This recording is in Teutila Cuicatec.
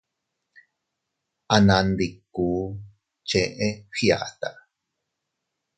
Anandikkuu cheʼé Fgiata.